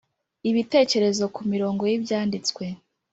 ibitekerezo ku mirongo y’Ibyanditswe